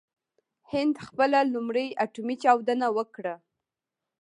هند خپله لومړۍ اټومي چاودنه وکړه.